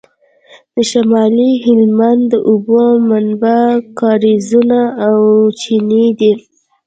د شمالي هلمند د اوبو منابع کاریزونه او چینې دي